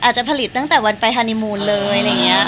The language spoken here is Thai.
อาจจะผลิตตั้งแต่วันไปฮานิมูนเลย